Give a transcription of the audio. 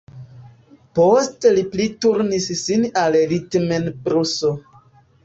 Poste li pli turnis sin al ritmenbluso.